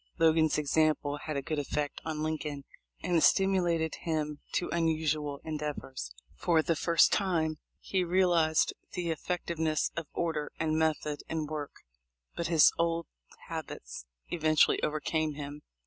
Logan's example had a good effect on Lincoln, and it stimulated him to unusual endeavors. For the first time he realized the effec tiveness of order and method in work, but his old habits eventually overcame him.